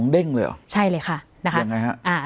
๒เด้งเลยหรอใช่เลยค่ะเรื่องยังไงครับ